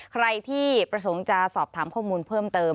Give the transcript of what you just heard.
ใครที่ประสงค์จะสอบถามข้อมูลเพิ่มเติม